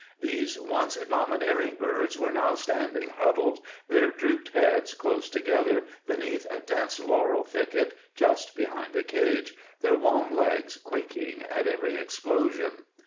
These once domineering birds were now standing huddled, their drooped heads close together, beneath a dense laurel thicket just behind the cage, their long legs quaking at every explosion.